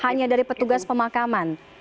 hanya dari petugas pemakaman